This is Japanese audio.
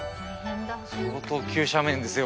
相当急斜面ですよ